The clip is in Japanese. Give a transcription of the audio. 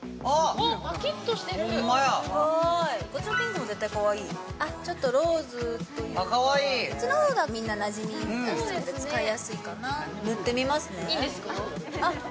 パキッとしてるホンマやすごいこっちのピンクも絶対かわいいちょっとローズというかこっちの方がみんななじみやすくて使いやすいかな塗ってみますねいいんですか？